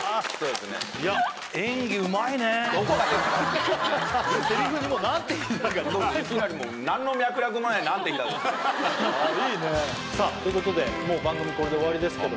ですから。ということで番組これで終わりです。